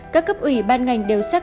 các cấp ủy ban ngành đều sắc